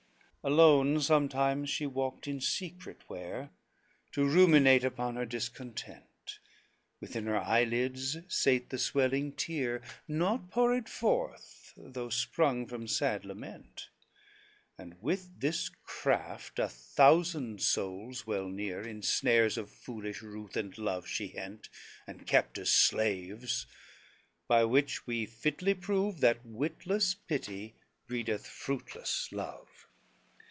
XC Alone sometimes she walked in secret where, To ruminate upon her discontent, Within her eyelids sate the swelling tear, Not poured forth, though sprung from sad lament, And with this craft a thousand souls well near In snares of foolish ruth and love she hent, And kept as slaves, by which we fitly prove That witless pity breedeth fruitless love.